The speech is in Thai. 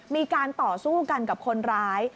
มีการต่อสู้กันกับคนร้าย